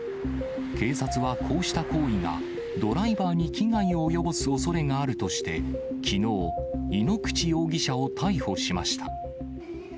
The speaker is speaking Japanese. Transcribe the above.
警察はこうした行為が、ドライバーに危害を及ぼすおそれがあるとして、きのう、井ノ口容疑者を逮捕しました。